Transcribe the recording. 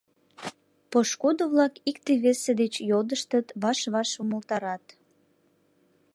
Пошкудо-влак икте-весе деч йодыштыт, ваш-ваш умылтарат: